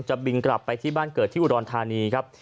บินกลับไปที่บ้านเกิดที่อุดรธานีครับ